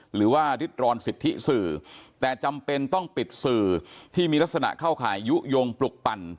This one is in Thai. หรือว่าริดรอนสิทธิสื่อแต่จำเป็นต้องปิดสื่อที่มีลักษณะเข้าข่ายยุโยงปลุกปั่น